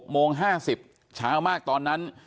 โมง๕๐เช้ามากตอนนั้น